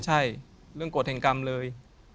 ใช่เรื่องกฎแห่งกรรมเลย